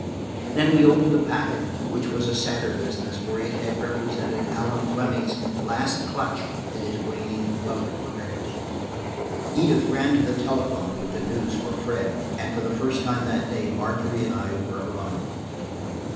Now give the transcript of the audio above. Then we opened the packet, which was a sadder business, for it had represented Allan Fleming's last clutch at his waning public credit. Edith ran to the telephone with the news for Fred, and for the first time that day Margery and I were alone.